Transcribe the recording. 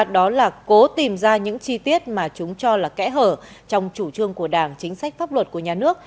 đó là cố tìm ra những chi tiết mà chúng cho là kẽ hở trong chủ trương của đảng chính sách pháp luật của nhà nước